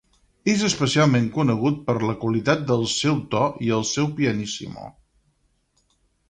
És especialment conegut per la qualitat del seu to i el seu pianissimo.